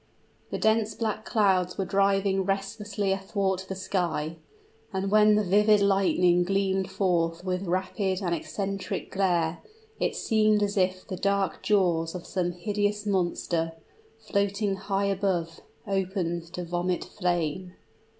The dense black clouds were driving restlessly athwart the sky; and when the vivid lightning gleamed forth with rapid and eccentric glare, it seemed as if the dark jaws of some hideous monster, floating high above, opened to vomit flame.